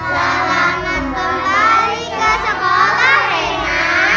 selamat kembali ke sekolah lainnya